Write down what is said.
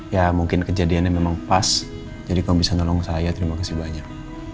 ya mungkin kejadiannya memang pas jadi kalau bisa nolong saya terima kasih banyak